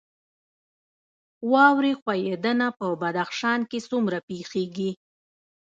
واورې ښویدنه په بدخشان کې څومره پیښیږي؟